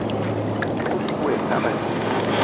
O kous kou ayi kabdi.